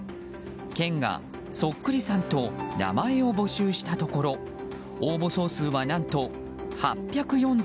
県がそっくりさんと名前を募集したところ応募総数は何と８４１。